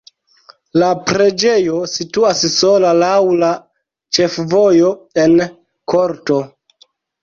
La preĝejo situas sola laŭ la ĉefvojo en korto.